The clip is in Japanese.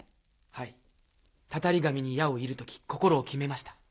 はいタタリ神に矢を射る時心を決めました。